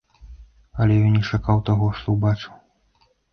Але ён не чакаў таго, што ўбачыў.